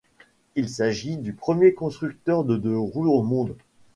Il s'agit du premier constructeur de deux-roues au monde.